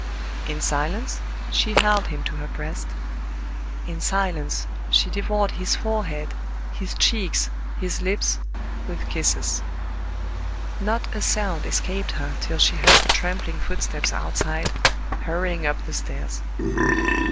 In silence she held him to her breast, in silence she devoured his forehead, his cheeks, his lips, with kisses. Not a sound escaped her till she heard the trampling footsteps outside, hurrying up the stairs.